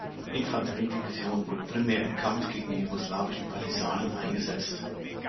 Infanterie-Division wurde primär im Kampf gegen die jugoslawischen Partisanen eingesetzt.